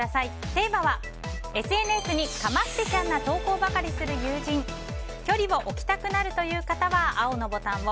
テーマはＳＮＳにかまってちゃんな投稿ばかりする友人距離を置きたくなるという方は青のボタンを。